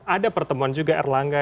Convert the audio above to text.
ada pertemuan juga erlangga